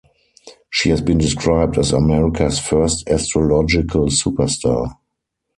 She has been described as "America's first astrological superstar".